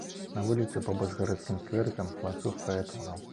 На вуліцы, побач з гарадскім скверыкам, ланцуг фаэтонаў.